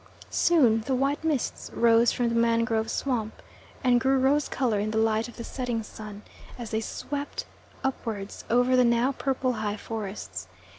Soon the white mists rose from the mangrove swamp, and grew rose colour in the light of the setting sun, as they swept upwards over the now purple high forests.